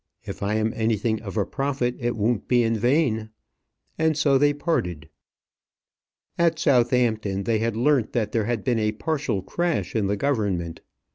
If I am anything of a prophet, it won't be in vain;" and so they parted. At Southampton they had learnt that there had been a partial crash in the government.